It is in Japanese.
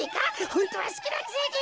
ホントはすきなくせに！